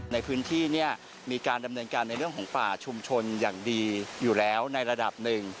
ในพื้นที่เนี่ยมีการดำเนินการในเรื่องของป่าชุมชนอย่างดีอยู่แล้วในระดับหนึ่ง